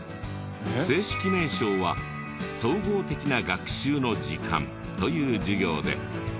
正式名称は総合的な学習の時間という授業で。